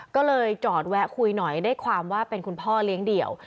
ก็เลยจอดแวะคุยหน่อยได้ความว่าเป็นคุณพ่อเลี้ยงเดี่ยว